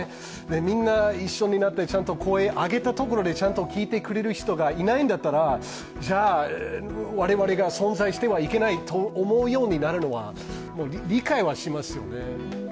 みんな一緒になって声を上げたところで、ちゃんと聞いてくれる人がいないんだったら我々が存在してはいけないと思うようになるのは理解はしますよね。